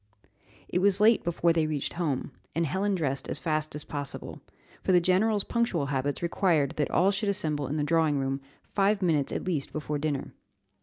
It was late before they reached home, and Helen dressed as fast as possible, for the general's punctual habits required that all should assemble in the drawing room five minutes at least before dinner.